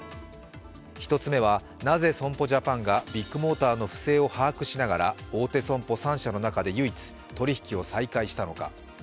１つ目は、なぜ損保ジャパンがビッグモーターの不正を把握しながら大手損保３社の中で唯一、取り引きを再開したのか。